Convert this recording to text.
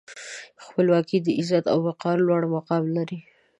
خپلواکي د عزت او وقار لوړ مقام لري.